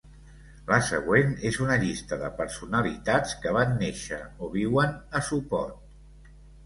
La següent és una llista de personalitats que van néixer o viuen a Sopot.